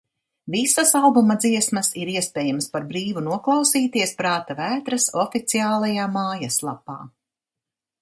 Visas albuma dziesmas ir iespējams par brīvu noklausīties Prāta Vētras oficiālajā mājas lapā.